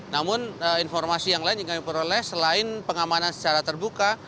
namun informasi yang lain yang kami peroleh selain pengamanan secara terbuka